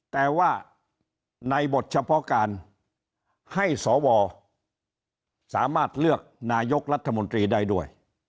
แต่ว่าในบทเฉพาะการให้สวสามารถเลือกนายกรัฐมนตรีได้ด้วย